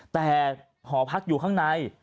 แต่หอพักอยู่ข้างใน